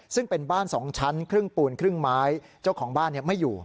ซึ่งเป็นบ้าน๒ชั้นครึ่งปูนครึ่งไม้เจ้าของบ้านไม่อยู่